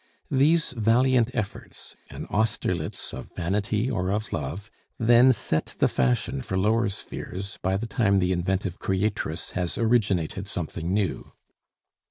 These valiant efforts, an Austerlitz of vanity or of love, then set the fashion for lower spheres by the time the inventive creatress has originated something new.